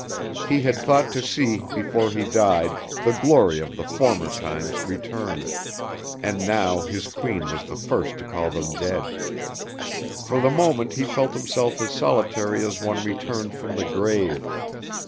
He had thought to see, before he died, the glory of the former times returned; and now his queen was the first to call them dead. For the moment he felt himself as solitary as one returned from the grave.